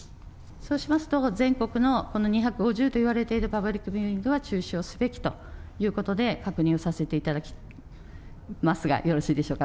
そうしますと、全国のこの２５０といわれているパブリックビューイングは、中止をすべきということで確認をさせていただきますが、よろしいでしょうか。